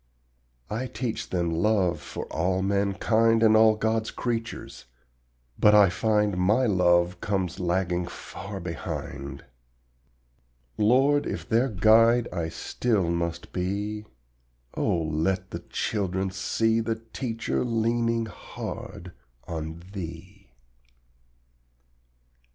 I teach them LOVE for all mankind And all God's creatures, but I find My love comes lagging far behind. Lord, if their guide I still must be, Oh let the little children see The teacher leaning hard on Thee.